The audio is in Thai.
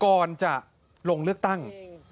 ก่อนจะลงเลือกตั้ง